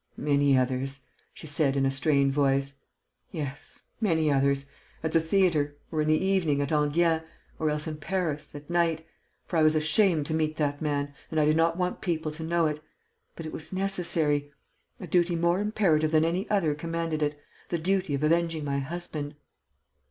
"Many others," she said, in a strained voice, "yes, many others ... at the theatre ... or in the evening, at Enghien ... or else in Paris, at night ... for I was ashamed to meet that man and I did not want people to know it.... But it was necessary.... A duty more imperative than any other commanded it: the duty of avenging my husband...."